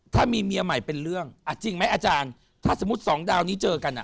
ถ้ามีเมียใหม่เป็นเรื่องอ่ะจริงไหมอาจารย์ถ้าสมมุติสองดาวนี้เจอกันอ่ะ